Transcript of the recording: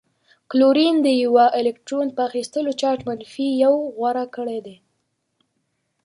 کلورین د یوه الکترون په اخیستلو چارج منفي یو غوره کړی دی.